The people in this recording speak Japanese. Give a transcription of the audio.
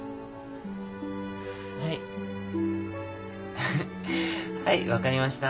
フフフはい分かりました。